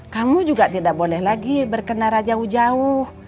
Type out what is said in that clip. kamu juga tidak boleh lagi berkenara jauh jauh